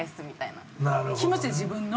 気持ちって自分の？